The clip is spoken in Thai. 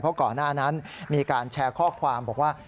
เพราะก่อนหน้านั้นมีการแชร์ข้อความบอกว่า